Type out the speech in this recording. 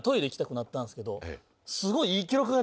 すごい。